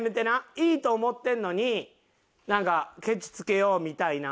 いいと思ってんのになんかケチつけようみたいなんはやめてな。